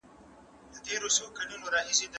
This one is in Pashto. په تېرو دوو لسیزو کې پېښې ډېرې شوې دي.